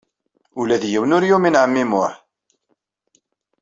Ula d yiwen ur yumin ɛemmi Muḥ.